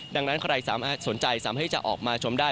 ดังนั้นใครสนใจสามารถที่จะออกมาชมได้